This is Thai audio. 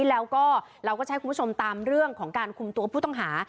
แล้วก็ใช้คุณผู้ชมตามเรื่องของการคุมตัวผู้ต่างหา